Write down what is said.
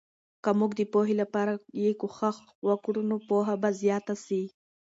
که موږ د پوهې لپاره یې کوښښ وکړو، نو پوهه به زیاته سي.